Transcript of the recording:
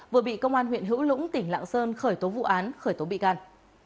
vừa bị công an huyện hữu lũng tỉnh lạng sơn khởi tố vụ án khởi tố bị can